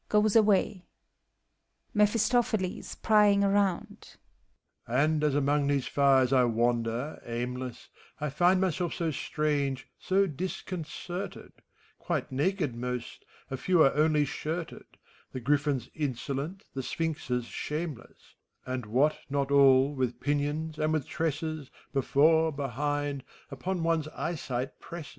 [Goes avxfky, MEPHISTOPHELES {prying around) , And as among these fires I wander, aimless, I find myself so strange, so disconcerted : Quite naked most, a few are only shirted; The Griffins insolent, the Sphinxes shameless, And what not all, with pinions and with tresses, Before, behind, upon one's eyesight presses!